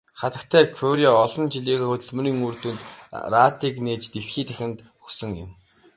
Хатагтай Кюре олон жилийнхээ хөдөлмөрийн үр дүнд радийг нээж дэлхий дахинд өгсөн юм.